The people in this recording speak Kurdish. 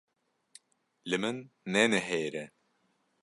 Li min nenihêre!